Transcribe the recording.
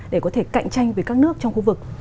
để có thể cạnh tranh với các nước trong khu vực